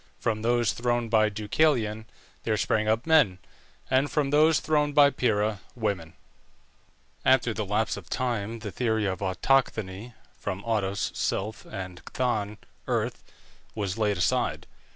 From those thrown by Deucalion there sprang up men, and from those thrown by Pyrrha, women. After the lapse of time the theory of Autochthony (from autos, self, and chthon, earth) was laid aside.